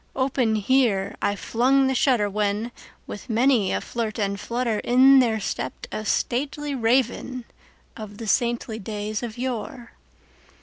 Open here I flung the shutter, when, with many a flirt and flutter, In there stepped a stately Raven of the saintly days of yore.